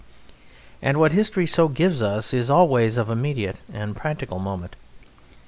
And what history so gives us is always of immediate and practical moment.